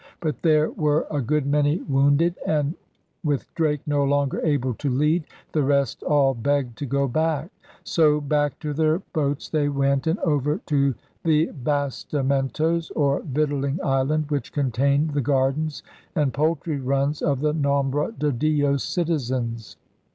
But there were a good many wounded; and, with Drake no longer able to lead, the rest all begged to go back. So back to their boats they went, and over to the Bastimen tos or Victualling Island, which contained the gardens and poultry runs of the Nombre de Dios citizens.